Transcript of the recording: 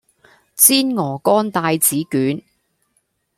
煎鵝肝帶子卷